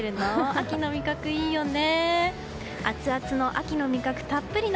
秋の味覚、いいよね。